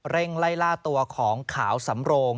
เร่งไล่ล่าตัวของขาวสำโรง